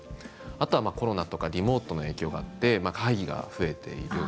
あとはコロナとかリモートの影響があって会議が増えている。